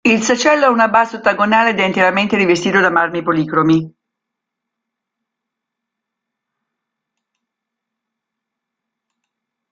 Il sacello ha una base ottagonale ed è interamente rivestito da marmi policromi.